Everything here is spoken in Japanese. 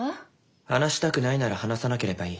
話したくないなら話さなければいい。